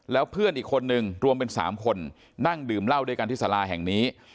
แล้วเพื่อนอีกคนนึงรวมเป็น๓คนนั่งดื่มเหล้าด้วยกันที่สาราแห่งนี้